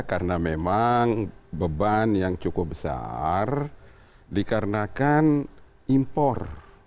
karena memang beban yang cukup besar dikarenakan impor